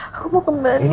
aku mau kembali